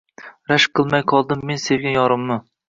Rashk qilmay qoldim men sevgan yorimni